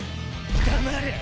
黙れ！